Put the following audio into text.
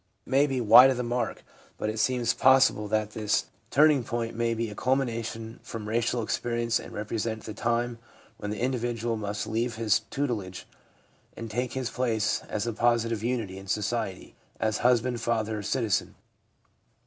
It may be wide of the mark, but it seems possible that this turning 284 THE PSYCHOLOGY OF RELIGION point may be a cumulation from racial experience and represent the time when the individual must leave his tutelage, and take his place as a positive unity in society, as husband, father or citizen.